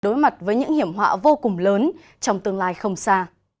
đối mặt với những hiểm họa vô cùng lớn trong tương lai không xa